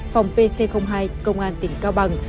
phòng pc hai công an tỉnh cao bằng